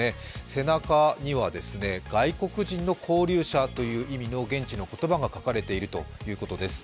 背中には「外国人の勾留者」という意味の現地の言葉が書かれているということです。